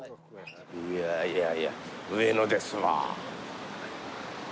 いやいやいや上野ですわ。